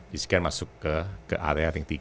di scan masuk ke area ring tiga